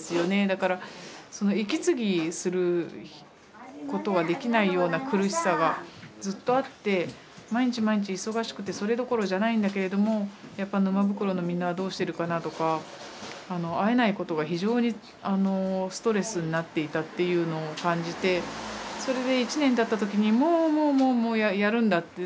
だから息継ぎすることができないような苦しさがずっとあって毎日毎日忙しくてそれどころじゃないんだけれどもやっぱ沼袋のみんなはどうしてるかなとか会えないことが非常にストレスになっていたっていうのを感じてそれで１年たった時にもうもうもうやるんだって。